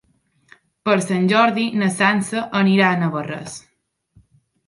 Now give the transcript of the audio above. Per Sant Jordi na Sança anirà a Navarrés.